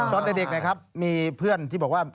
ตอนเด็กนะครับมีเพื่อนที่บอกว่า